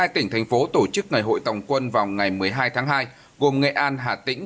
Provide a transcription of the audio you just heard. một mươi tỉnh thành phố tổ chức ngày hội tòng quân vào ngày một mươi hai tháng hai gồm nghệ an hà tĩnh